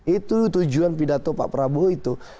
itu tujuan pidato pak prabowo itu